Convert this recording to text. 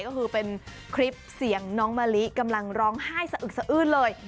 ก็คือเป็นคลิปเสียงน้องมะลิกำลังร้องไห้สะอึกสะอื้นเลย